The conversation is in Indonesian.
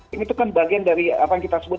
itu kan bagian dari apa yang kita sebut